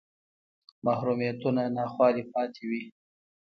محرومیتونه ناخوالې پاتې وې